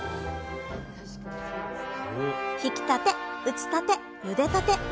ひきたて打ちたてゆでたて